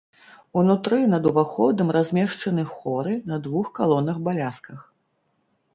Унутры над уваходам размешчаны хоры на двух калонах-балясках.